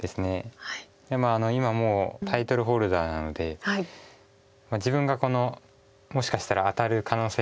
今もうタイトルホルダーなので自分がもしかしたら当たる可能性が。